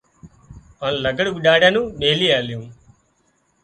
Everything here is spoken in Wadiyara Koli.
هانَ لگھڙ اوڏاڙيا نُون ميلي آليون